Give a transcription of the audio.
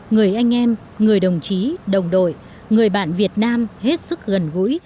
người anh em người đồng chí đồng đội người bạn việt nam hết sức gần gũi